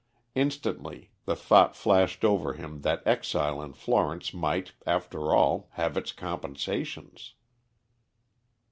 Instantly the thought flashed over him that exile in Florence might, after all, have its compensations.